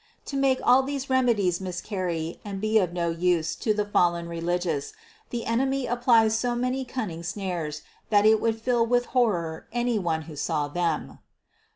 To make all these remedies miscarry and be of no use to the fallen religious, the enemy applies so many cunning snares that it would fill with terror any one who saw them.